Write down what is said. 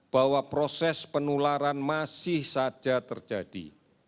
bahwa proses penularan masih saja terjadi